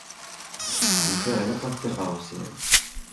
Ufiɣ ilaq ad ṭṭixreɣ ssya.